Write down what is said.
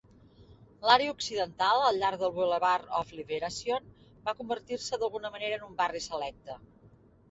L'àrea occidental, al llarg del Boulevard of Liberation va convertir-se d'alguna manera en un barri selecte.